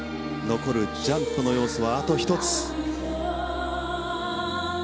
残るジャンプの要素はあと１つ。